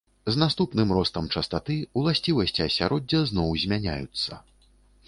З наступным ростам частаты уласцівасці асяроддзя зноў змяняюцца.